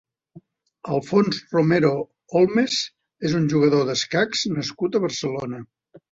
Alfons Romero Holmes és un jugador d'escacs nascut a Barcelona.